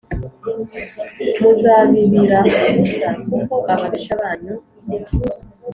Muzabibira ubusa kuko ababisha banyu